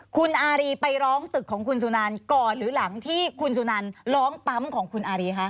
คุณอารีไปร้องตึกของคุณสุนันก่อนหรือหลังที่คุณสุนันร้องปั๊มของคุณอารีคะ